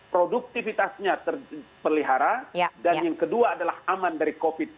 produktivitasnya terpelihara dan yang kedua adalah aman dari covid sembilan